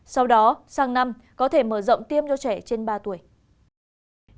sau đó sang năm có thể mở rộng tiêm cho trẻ trên ba tuổi